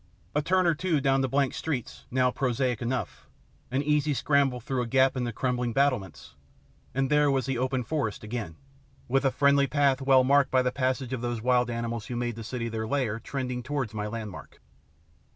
A turn or two down the blank streets, now prosaic enough, an easy scramble through a gap in the crumbling battlements, and there was the open forest again, with a friendly path well marked by the passage of those wild animals who made the city their lair trending towards my landmark.